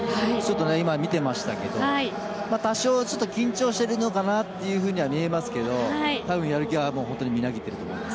今、見てましたけど多少ちょっと緊張しているのかなというふうには見えますけどたぶん、やる気は本当にみなぎっていると思います。